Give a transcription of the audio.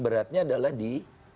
beratnya adalah di